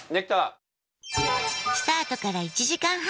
スタートから１時間半。